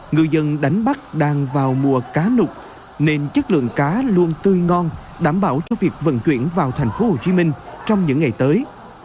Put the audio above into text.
người dân đánh bắt đang vào mùa cá nục nên chất lượng cá luôn tươi ngon đảm bảo cho việc vận chuyển vào thành phố hồ chí minh trong những ngày tới